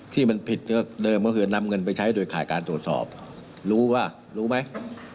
ที่มันผิดเดิมก็คือนำเงินไปใช้โดยข่ายการตรวจสอบรู้ว่ารู้ไหม